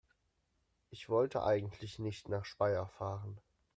Ich wollte eigentlich nicht nach Speyer fahren